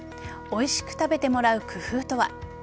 おいしく食べてもらう工夫とは。